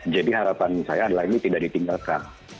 jadi harapan saya adalah ini tidak ditinggalkan